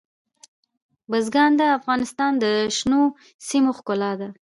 بزګان د افغانستان د شنو سیمو ښکلا ده.